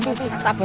kau dapet apa